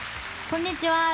こんにちは。